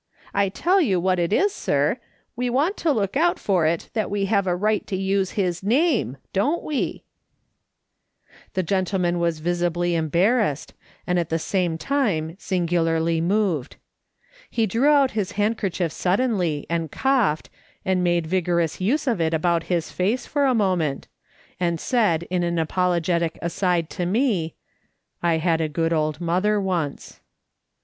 I tell you what it is, sir, we want to look out for it that we have a right to use his name, don't we ?" The gentleman was visibly embarrassed, and at the same time singularly moved. He drew out his handkerchief suddenly, and coughed, and made vigorous use of it about his face for a moment, and said in an apologetic aside to me : "I had a good old mother once."